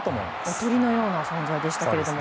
おとりのような存在でしたけれども。